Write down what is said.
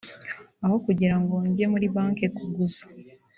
aho kugira ngo njye muri banki kuguza